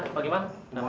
kita semua tahu mesti abah